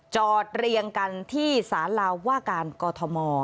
จอดเรียงกันที่สาราว่าการกอทม